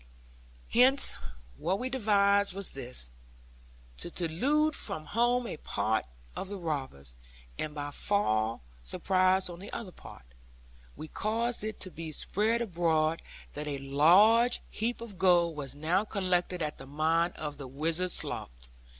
Hence, what we devised was this; to delude from home a part of the robbers, and fall by surprise on the other part. We caused it to be spread abroad that a large heap of gold was now collected at the mine of the Wizard's Slough.